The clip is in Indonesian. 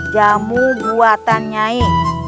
jamu buatan nyai